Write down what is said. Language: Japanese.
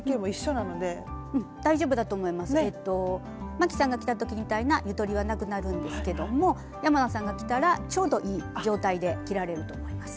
まきさんが着た時みたいなゆとりはなくなるんですけども山名さんが着たらちょうどいい状態で着られると思います。